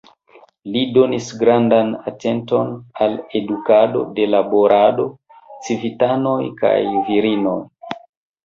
Li donis grandan atenton al edukado de laborado, civitanoj kaj virinoj.